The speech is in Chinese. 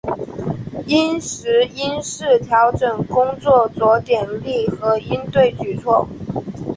因时因势调整工作着力点和应对举措